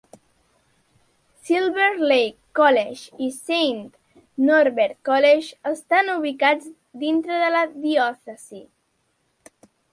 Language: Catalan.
Silver Lake College i Saint Norbert College estan ubicats dintre de la diòcesi.